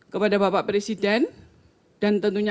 kepada bapak presiden